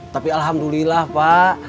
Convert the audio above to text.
tapi alhamdulillah pak